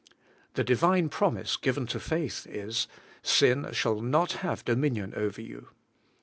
The Divine promise given to faith is: 'Sin shall not have dominion over you.'